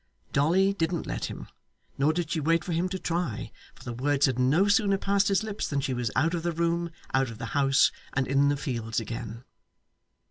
Dolly didn't let him, nor did she wait for him to try, for the words had no sooner passed his lips than she was out of the room, out of the house, and in the fields again.